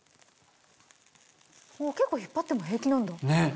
・結構引っ張っても平気なんだ・ねっ。